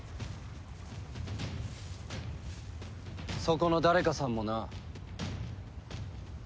そこの誰かさんもな。